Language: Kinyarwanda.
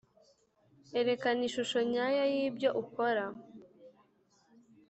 erekana ishusho nyayo yibyo ukora